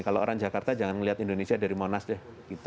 kalau orang jakarta jangan melihat indonesia dari monas deh